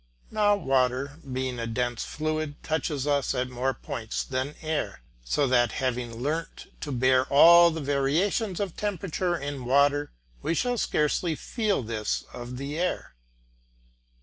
Now water being a denser fluid touches us at more points than air, so that, having learnt to bear all the variations of temperature in water, we shall scarcely feel this of the air.